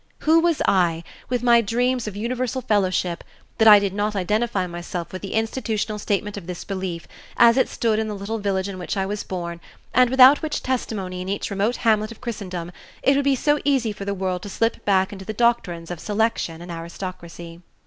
Who was I, with my dreams of universal fellowship, that I did not identify myself with the institutional statement of this belief, as it stood in the little village in which I was born, and without which testimony in each remote hamlet of Christendom it would be so easy for the world to slip back into the doctrines of selection and aristocracy?